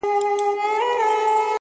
• نه ماتېږي مي هیڅ تنده بېله جامه..